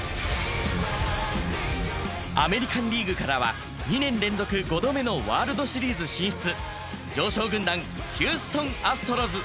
アメリカン・リーグからは２年連続５度目のワールドシリーズ進出、常勝軍団、ヒューストン・アストロズ。